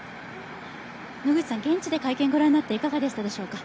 現地で会見ご覧になっていかがでしたでしょうか？